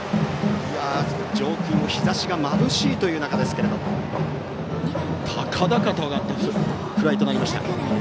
上空の日ざしがまぶしい中ですが高々と上がったフライとなりました。